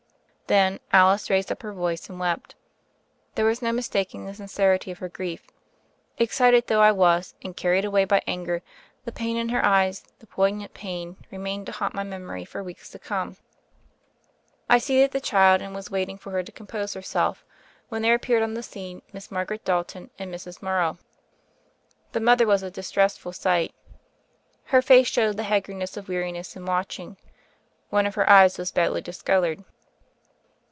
Then Alice raised up her voice and wept. There was no mistaking the sincerity of her grief. Excited though I was, and carried away by anger, the pain in her eyes, the poignant pain, remained to haunt my memory for weeks to come. I seated the child, and was waiting for her to compose herself, when there appeared on the scene Miss Margaret Dalton and Mrs. Mor row. The mother was a distressful sight. Her face showed the haggardness of weariness and watching; one of her eyes was badly discolored.